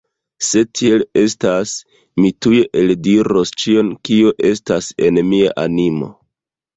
Se tiel estas, mi tuj eldiros ĉion, kio estas en mia animo.